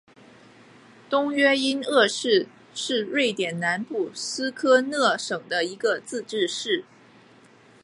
东约因厄市是瑞典南部斯科讷省的一个自治市。